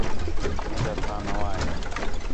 مینجا تھاں نواں ہے